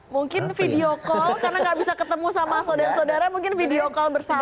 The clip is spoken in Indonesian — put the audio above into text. mungkin video call karena gak bisa ketemu sama saudara mungkin video call bersama